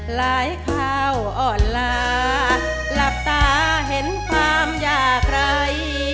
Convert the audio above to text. หลายคราวอ่อนลาหลับตาเห็นความยากไร